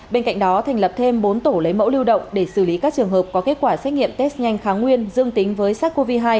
bên cạnh đó thành lập thêm bốn tổ lấy mẫu lưu động để xử lý các trường hợp có kết quả xét nghiệm test nhanh kháng nguyên dương tính với sars cov hai